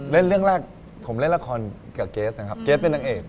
เรื่องแรกผมเล่นละครกับเกสนะครับเกรทเป็นนางเอก